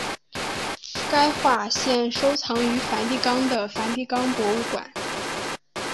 该画现收藏于梵蒂冈的梵蒂冈博物馆。